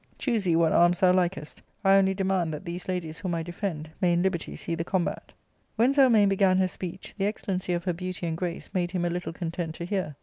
Choose thee what arms thou likest ; I only demand that these ladies, whom I defend, may in liberty see the combat" When Zelmane began her speech, the excellency of her beauty and grace made him a little content to hear.